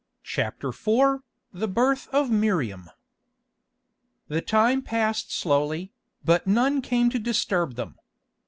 CHAPTER IV THE BIRTH OF MIRIAM The time passed slowly, but none came to disturb them.